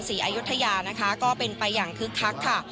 สถาปนาศรีอยุธยาค่ะ